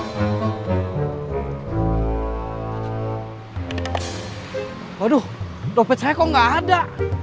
waduh dopet saya kok nggak ada